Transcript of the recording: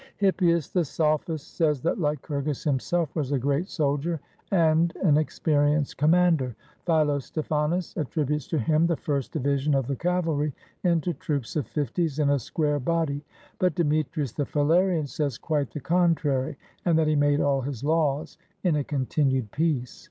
Hippius the sophist says that Lycurgus himself was a great soldier and an experienced commander. Philo stephanus attributes to him the first division of the cavalry into troops of fifties in a square body; but De metrius the Phalerian says quite the contrary, and that he made all his laws in a continued peace.